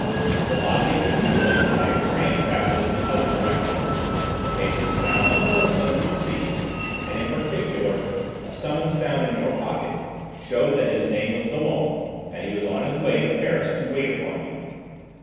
The body had been mutilated by a train travelling in the other direction, but papers found on the person of the deceased, and in particular a summons found in his pocket, show that his name was Dollon, and that he was on his way to Paris to wait upon you.